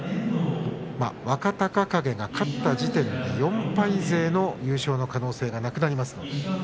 若隆景が勝った時点で４敗勢の優勝の可能性がなくなります。